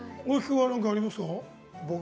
大木君は何かありますか？